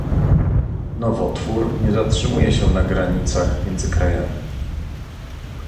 Nowotwór nie zatrzymuje się na granicach między krajami